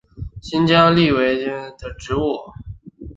新疆蓟为菊科蓟属的植物。